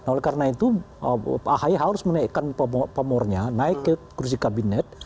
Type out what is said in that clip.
oleh karena itu ahy harus menaikkan pamornya naik ke kursi kabinet